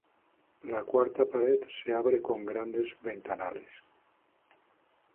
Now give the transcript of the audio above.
La cuarta pared se abre con grandes ventanales.